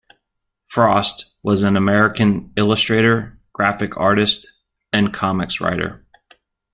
Frost, was an American illustrator, graphic artist and comics writer.